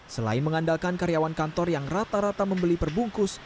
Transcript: selain mengandalkan karyawan kantor yang rata rata membeli perbungkus